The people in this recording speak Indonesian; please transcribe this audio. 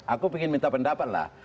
aku ingin minta pendapat lah